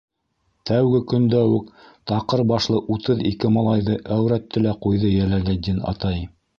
Тәүге көндә үк таҡыр башлы утыҙ ике малайҙы әүрәтте лә ҡуйҙы Йәләлетдин атай.